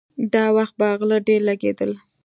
دا وخت به غله ډېر لګېدل.